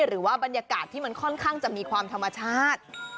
หรือว่าบรรยากาศที่มันค่อนข้างจะมีความธรรมชาติ